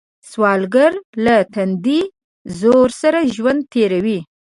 سوالګر له تندي زور سره ژوند تېروي